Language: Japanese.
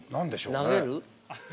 投げる？